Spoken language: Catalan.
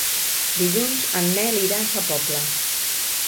Dilluns en Nel irà a Sa Pobla.